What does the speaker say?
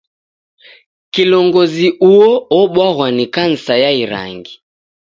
Kilongozi uo obwaghwa ni kansa ya irangi.